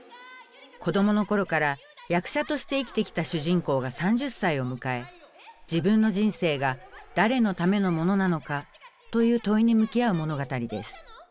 子どもの頃から役者として生きてきた主人公が３０歳を迎え「自分の人生が誰のためのものなのか？」という問いに向き合う物語です。